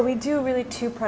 jadi kami membuat